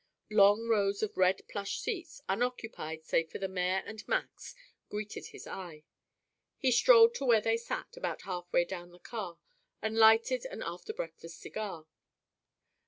Long rows of red plush seats, unoccupied save for the mayor and Max, greeted his eye. He strolled to where they sat, about half way down the car, and lighted an after breakfast cigar.